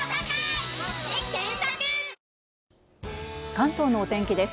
関東のお天気です。